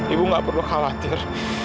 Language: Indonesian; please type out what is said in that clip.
ibu gak perlu khawatir